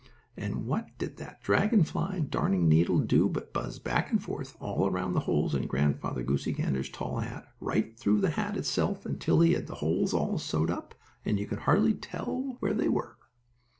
And what did that dragon fly darning needle do but buzz back and forth, all around the holes in Grandfather Goosey Gander's tall hat, right through the hat itself, until he had the holes all sewed up, and you could hardly tell where they were.